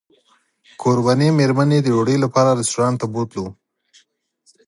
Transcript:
کوربنې مېرمنې د ډوډۍ لپاره رسټورانټ ته بوتلو.